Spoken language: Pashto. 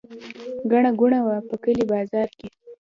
ګڼه ګوڼه وه په کلي په بازار کې.